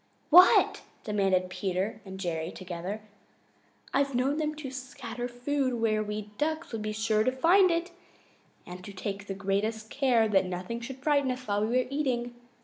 "What?" demanded Peter and Jerry together. "I've known them to scatter food where we Ducks would be sure to find it and to take the greatest care that nothing should frighten us while we were eating.